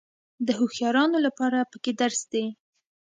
د هوښیارانو لپاره پکې درس دی.